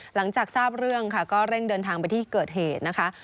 หลังจากทราบเรื่องค่ะก็เร่งเดินทางไปที่เกิดเหตุนะคะ